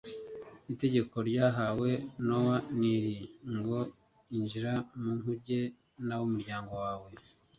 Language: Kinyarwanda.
Itegeko ryahawe Nowa n'iri ngo ; "Injira mu nkuge n'ab'umuryango wawe